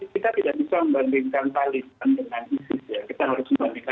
kita tidak bisa membandingkan taliban dengan isis ya